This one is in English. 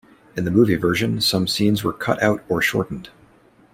In the movie version, some scenes were cut out or shortened.